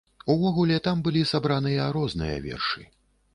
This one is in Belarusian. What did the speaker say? Увогуле там былі сабраныя розныя вершы.